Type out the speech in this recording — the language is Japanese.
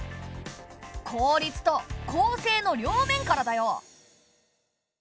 効率と公正の両面からだよ。